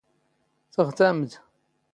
ⵜⵖⵜⴰⵎⴷ?